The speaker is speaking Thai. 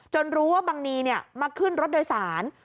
รู้ว่าบังนีมาขึ้นรถโดยสาร